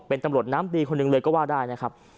เป็นตำรวจน้ำดีคนหนึ่งเลยก็ว่าได้นะครับ